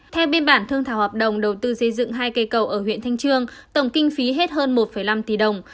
theo biên bản thương thảo hợp đồng đầu tư xây dựng hai cây cầu ở huyện thanh trương tổng kinh phí hết hơn một năm tỷ đồng